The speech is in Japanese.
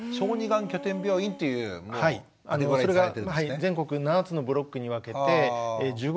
全国７つのブロックに分けて１５個あるんですね。